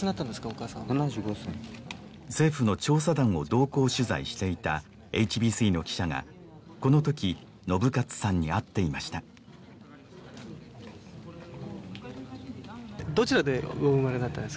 お母さんは政府の調査団を同行取材していたＨＢＣの記者がこのとき信捷さんに会っていましたどちらでお生まれになったんですか？